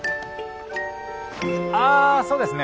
あそうですね。